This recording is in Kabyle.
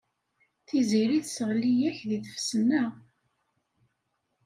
Tiziri tesseɣli-ak deg tfesna.